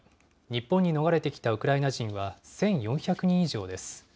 日本に逃れてきたウクライナ人は１４００人以上です。